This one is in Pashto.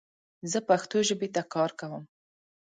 زه پښتو ژبې ته کار کوم